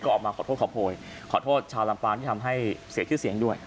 ออกมาขอโทษขอโพยขอโทษชาวลำปางที่ทำให้เสียชื่อเสียงด้วย